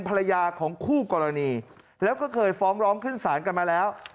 ภรรยาของคู่กรณีแล้วก็เคยฟ้องร้องขึ้นศาลกันมาแล้ว